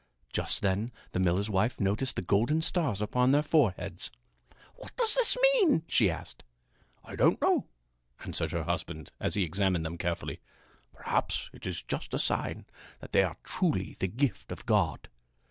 Just then the miller's wife noticed the golden stars upon their foreheads. "What does this mean?" she asked. "I don't know," answered her husband as he examined them carefully. "Perhaps it is just a sign that they are truly the gift of God."